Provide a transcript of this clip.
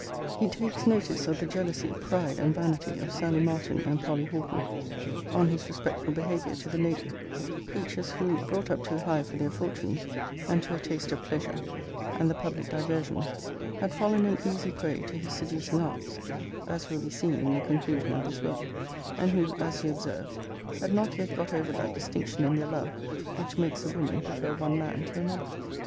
[He takes notice of the jealousy, pride, and vanity of Sally Martin and Polly Horton, on his respectful behaviour to the Lady: creatures who, brought up too high for their fortunes, and to a taste of pleasure, and the public diversions, had fallen an easy prey to his seducing arts (as will be seen in the conclusion of this work:) and who, as he observed, 'had not yet got over that distinction in their love, which makes a woman prefer one man to another.'